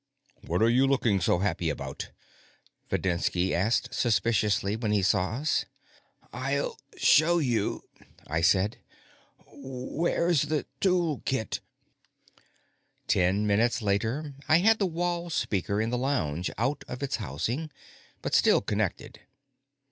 "What are you looking so happy about?" Videnski asked suspiciously when he saw us. "I'll show you," I said. "Where's the tool kit?" Ten minutes later, I had the wall speaker in the lounge out of its housing, but still connected.